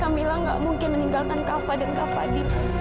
kamila gak mungkin meninggalkan kak fadil dan kak fadil